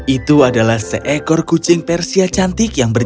itu adalah seekor kucing persia cantik yang berdiri di dalam rumah mereka